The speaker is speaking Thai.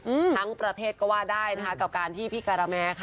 อืมทั้งประเทศก็ว่าได้นะคะกับการที่พี่การาแมค่ะ